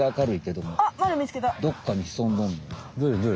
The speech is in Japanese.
どっかに潜んどんねん。